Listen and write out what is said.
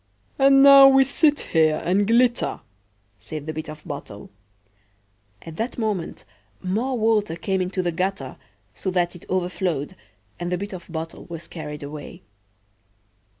"And now we sit here and glitter!" said the Bit of Bottle.At that moment more water came into the gutter, so that it overflowed, and the Bit of Bottle was carried away.